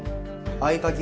合鍵。